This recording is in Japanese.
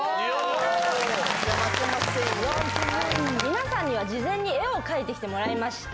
皆さんには事前に絵を描いて来てもらいました。